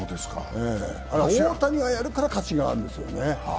あれは大谷がやるから価値があるんですよね。